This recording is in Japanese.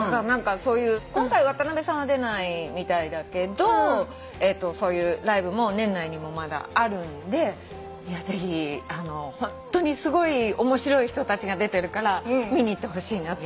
今回渡辺さんは出ないみたいだけどそういうライブも年内にもまだあるんでぜひホントにすごい面白い人たちが出てるから見に行ってほしいなって。